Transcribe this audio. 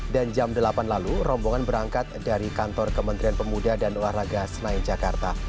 dan jam delapan lalu rombongan berangkat dari kantor kementerian pemuda dan olahraga senai jakarta